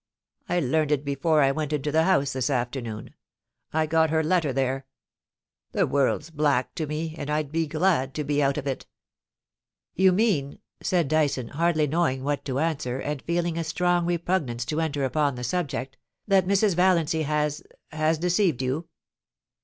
I learned it before I went into the House this afternoon ; I got her letter there. The worids black to me, and I'd be glad to be out of it' * You mean/ said Dyson, hardly knowing what to answer, and feeling a strong repugnance to enter upon the subject, * that Mrs. Valiancy has — has deceived you.'